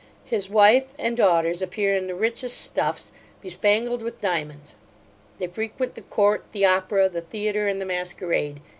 His wife and daughters appear in the richest stuffs, bespangled with diamonds. They frequent the court, the opera, the theatre, and the masquerade.